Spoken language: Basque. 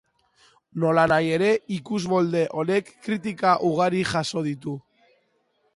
Nolanahi ere, ikusmolde honek kritika ugari jaso ditu.